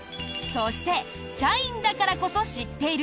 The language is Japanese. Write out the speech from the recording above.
そして社員だからこそ知っている！